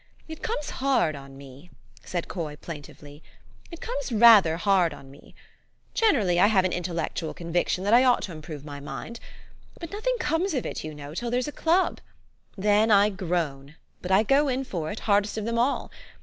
It comes hard on me," said Coy plaintively. "It comes rather hard on me. Generally I have an intellectual conviction that I ought to improve my mind. But nothing comes of it, you know, till there's a club. Then I groan ; but I go in for it hardest of them all.